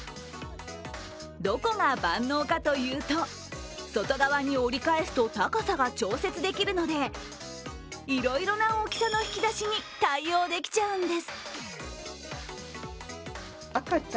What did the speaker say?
どこが万能かというと、外側に折り返すと高さが調節できるのでいろいろな大きさの引き出しに対応できちゃうんです。